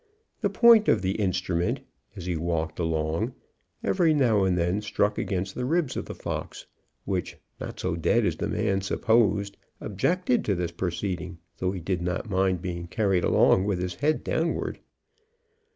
The point of the instrument, as he walked along, every now and then struck against the ribs of the fox, which, not so dead as the man supposed, objected to this proceeding, though he did not mind being carried along with his head downward.